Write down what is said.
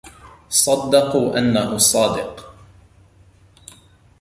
صدقوا أنه صادق.